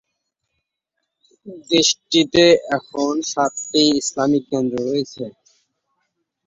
দেশটিতে এখন সাতটি ইসলামিক কেন্দ্র রয়েছে।